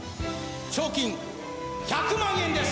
賞金１００万円です！